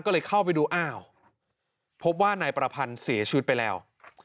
ก็เลยเข้าไปดูอ้าวพบว่านายประพันธ์เสียชีวิตไปแล้ว